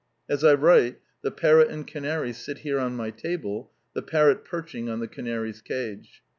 As I write the parrot and canary sit here on my table, the parrot perching on the canary's cage.